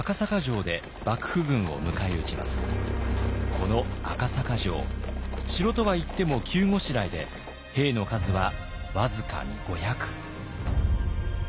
この赤坂城城とはいっても急ごしらえで兵の数はわずかに５００。